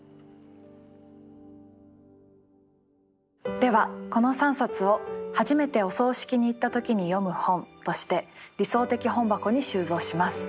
ではこの３冊を「初めてお葬式に行った時に読む本」として理想的本箱に収蔵します。